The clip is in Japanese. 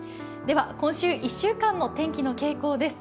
今週１週間の天気の傾向です。